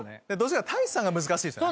太一さんが難しいですね。